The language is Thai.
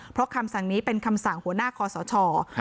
เพราะคำสั่งนี้เป็นคำสั่งหัวหน้าคอสช